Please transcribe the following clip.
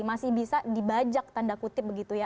masih bisa dibajak tanda kutip begitu ya